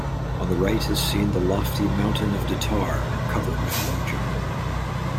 On the right is seen the lofty mountain of Datar, covered with low jungle.